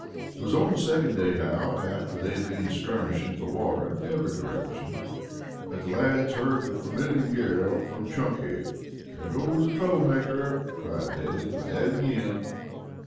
It was on the second day out, after they had been skirmishing for water in every direction, that the lads heard the familiar yell from Chunky. "There goes the trouble maker," cried Ned. "He's at it again."